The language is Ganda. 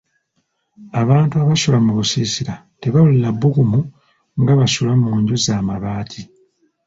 Abantu abasula mu busiisira tebawulira bbugumu nga basula mu nju z'amabbaati.